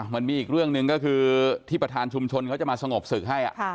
มันมีอีกเรื่องหนึ่งก็คือที่ประธานชุมชนเขาจะมาสงบศึกให้